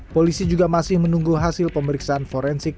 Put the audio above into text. polisi juga masih menunggu hasil pemeriksaan forensik